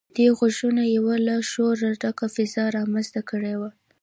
دې غږونو يوه له شوره ډکه فضا رامنځته کړې وه.